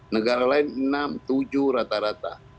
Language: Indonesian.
negara lain enam tujuh rata rata